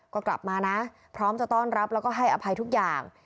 ก็กลับมานะพร้อมจะต้อนรับแล้วก็ให้อภัยทุกอย่าง